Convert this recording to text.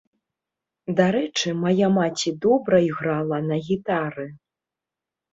Дарэчы, мая маці добра іграла на гітары.